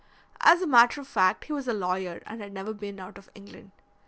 As a matter of fact he was a lawyer and had never been out of England.